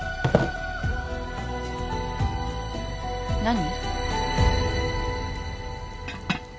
何？